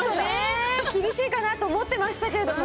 厳しいかなと思ってましたけれども。